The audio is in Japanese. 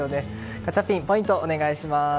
ガチャピン、ポイントをお願いします。